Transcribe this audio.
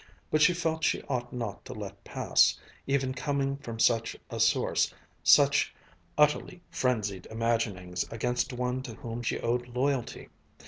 But she felt she ought not to let pass, even coming from such a source, such utterly frenzied imaginings against one to whom she owed loyalty.